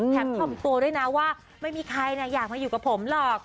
แถมถ่อมตัวด้วยนะว่าไม่มีใครอยากมาอยู่กับผมหรอก